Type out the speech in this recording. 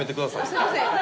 すいません。